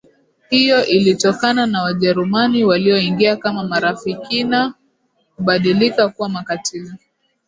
Hiyo ilitokana na Wajerumani walioingia kama marafikina kubadilika kuwa makatiili